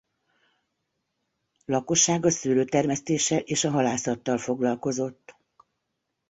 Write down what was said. Lakossága szőlőtermesztéssel és a halászattal foglalkozott.